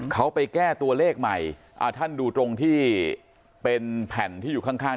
เขาไปแก้ตัวเลขใหม่อ่าท่านดูตรงที่เป็นแผ่นที่อยู่ข้างข้าง